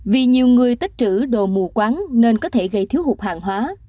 vì nhiều người tích trữ đồ mù quán nên có thể gây thiếu hụt hàng hóa